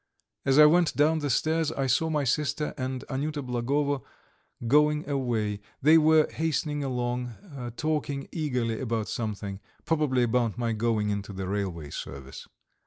As I went down the stairs I saw my sister and Anyuta Blagovo going away; they were hastening along, talking eagerly about something, probably about my going into the railway service.